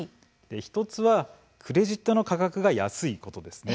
１つはクレジットの価格が安いことです。